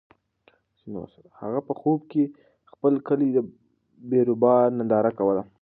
هغه په خوب کې د خپل کلي د بیروبار ننداره کوله.